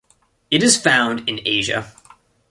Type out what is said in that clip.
It is found in Asia.